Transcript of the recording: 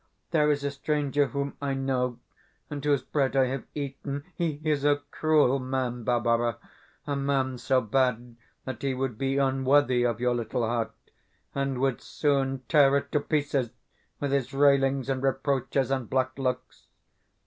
There is a stranger whom I know, and whose bread I have eaten. He is a cruel man, Barbara a man so bad that he would be unworthy of your little heart, and would soon tear it to pieces with his railings and reproaches and black looks.